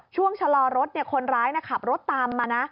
ชะลอรถคนร้ายขับรถตามมานะ